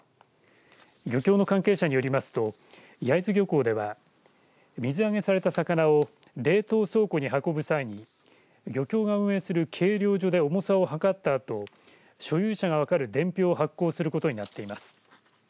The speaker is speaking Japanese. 漁協の関係者によりますと焼津漁港では水揚げされた魚を冷凍倉庫に運ぶ際に漁協が運営する計量所で重さを量ったあと所有者が分かる伝票を発行することになっています。